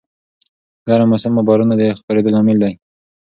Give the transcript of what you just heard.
ګرم موسم او بارانونه د خپرېدو لامل دي.